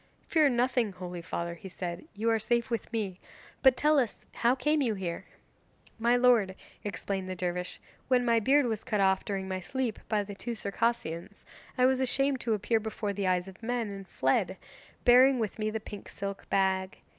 'Fear nothing, holy father,' he said, 'you are safe with me. But tell us, how came you here?' 'My lord,' explained the dervish, 'when my beard was cut off during my sleep by the two Circassians, I was ashamed to appear before the eyes of men, and fled, bearing with me the pink silk bag.